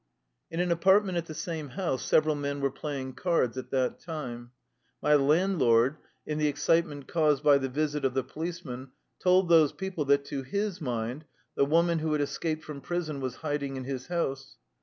In an apartment at the same house several men were playing cards at that time. My land lord, in the excitement caused by the visit of the policemen, told those people that, to his mind, the woman who had escaped from prison was hiding in his house.